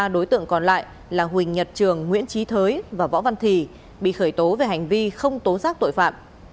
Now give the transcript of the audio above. ba đối tượng còn lại là huỳnh nhật trường nguyễn trí thới và võ văn thì bị khởi tố về hành vi không tố giác tội phạm